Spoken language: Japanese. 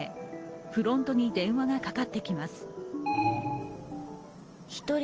フロントに電話がかかってきます。